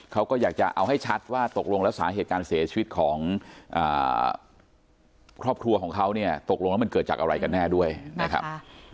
เขาก็อยากจะเอาให้ชัดว่าตกลงแล้วสาเหตุการเสียชีวิตของครอบครัวของเขาเนี่ยตกลงแล้วมันเกิดจากอะไรกันแน่ด้วยนะครับ